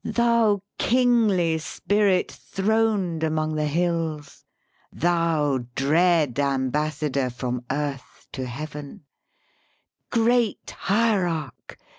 Thou kingly Spirit throned among the hills, Thou dread ambassador from Earth to Heaven, Great hierarch!